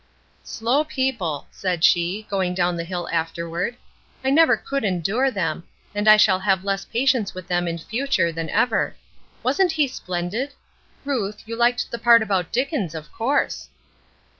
"Slow people," said she, going down the hill afterward. "I never could endure them, and I shall have less patience with them in future than ever. Wasn't he splendid? Ruth, you liked the part about Dickens, of course."